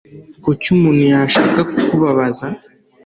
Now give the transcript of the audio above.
Kuki umuntu yashaka kubabaza ?